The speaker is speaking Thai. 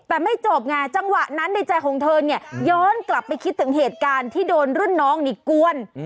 แต่ไม่จบไงจังหวะนั้นในใจของเธอเนี่ยย้อนกลับไปคิดถึงเหตุการณ์ที่โดนรุ่นน้องนี่กวน